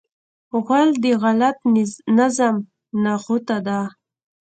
غول د غلط نظم نغوته ده.